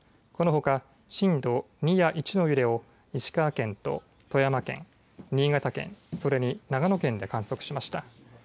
このほか震度２や１の揺れを石川県と富山県、新潟県、それに長野県で観測しました。